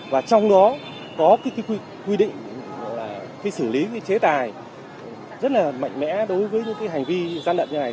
và trong đó có quy định xử lý chế tài rất mạnh mẽ đối với những hành vi gian đận như này